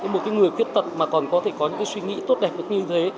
một người khuyết tật mà còn có thể có những suy nghĩ tốt đẹp được như thế